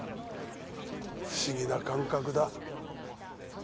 不思議な感覚だ。